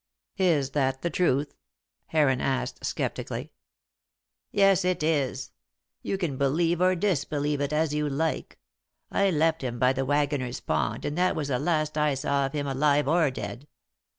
"Is that the truth?" Heron asked, sceptically. "Yes, it is. You can believe or disbelieve it as you like. I left him by the Waggoner's Pond, and that was the last I saw of him alive or dead.